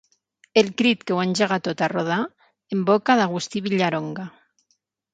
El crit que ho engega tot a rodar, en boca d'Agustí Villaronga.